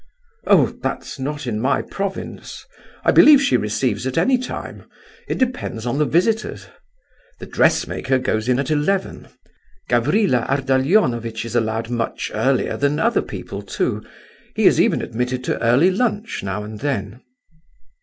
"Oh, that's not in my province! I believe she receives at any time; it depends upon the visitors. The dressmaker goes in at eleven. Gavrila Ardalionovitch is allowed much earlier than other people, too; he is even admitted to early lunch now and then."